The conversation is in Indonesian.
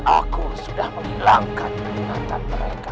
aku sudah menghilangkan penyunakan mereka